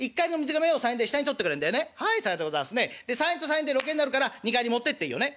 「３円と３円で６円になるから二荷入り持ってっていいよね」。